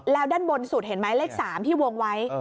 แล้วด้านบนสุดเห็นไหมเลข๓ที่วงไว้